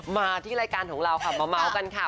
มาที่รายการของเราค่ะมาเมาส์กันค่ะ